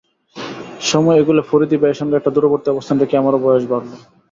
সময় এগোলে ফরীদি ভাইয়ের সঙ্গে একটা দূরবর্তী অবস্থান রেখেই আমারও বয়স বাড়ল।